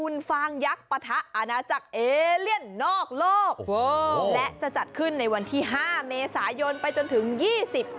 นอกโลกโหและจะจัดขึ้นในวันที่ห้าเมษายนไปจนถึงยี่สิบ